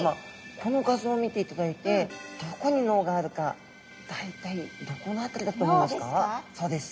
この画像を見ていただいて大体どこの辺りだと思いますか？